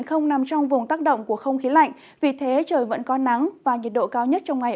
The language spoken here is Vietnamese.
không nằm trong vùng tác động của không khí lạnh vì thế trời vẫn có nắng và nhiệt độ cao nhất trong ngày